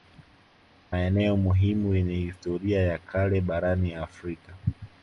Maeneo muhimu yenye historia ya kale barani Afrika